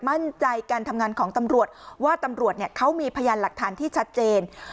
มั่นใจการทำงานของตำรวจว่าตำรวจเขามีพยานหลักฐานที่ชัดเจน